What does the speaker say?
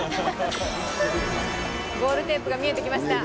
ゴールテープが見えてきました。